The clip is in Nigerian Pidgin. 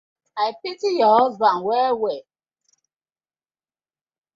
I pity yu husban well well.